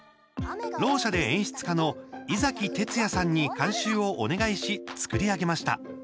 ろう者で演出家の井崎哲也さんに監修をお願いし、作り上げました。